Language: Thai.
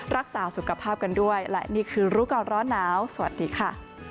รักษาสุขภาพกันด้วยและนี่คือรู้ก่อนร้อนหนาวสวัสดีค่ะ